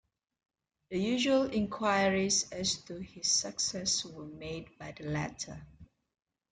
The usual inquiries as to his success were made by the latter.